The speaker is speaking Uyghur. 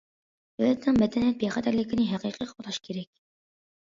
دۆلەتنىڭ مەدەنىيەت بىخەتەرلىكىنى ھەقىقىي قوغداش كېرەك.